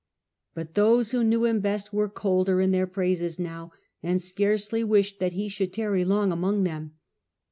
But those who knew him best were colder in their praises now, and scarcely wished that he should tarry long among them.